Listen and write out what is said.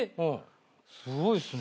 すごいっすね。